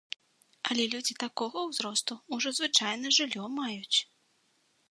Але людзі такога ўзросту ўжо звычайна жыллё маюць.